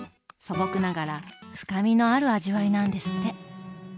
素朴ながら深みのある味わいなんですって。